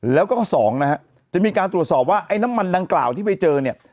แล้วก็สองนะฮะจะมีการตรวจสอบว่าไอ้น้ำมันดังกล่าวที่ไปเจอเนี่ย